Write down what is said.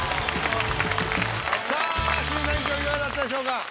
さあ審査委員長いかがだったでしょうか？